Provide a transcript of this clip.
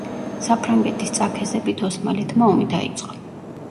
საფრანგეთის წაქეზებით ოსმალეთმა ომი დაიწყო.